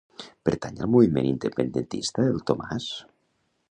Pertany al moviment independentista el Tomás?